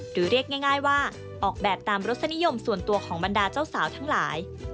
เรียกง่ายว่าออกแบบตามรสนิยมส่วนตัวของบรรดาเจ้าสาวทั้งหลาย